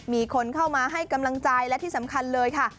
มีคนเข้ามาให้กำลังใจและที่สำคัญเลยค่ะ